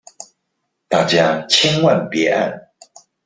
大家千萬別按